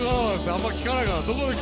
あんまり聞かないから。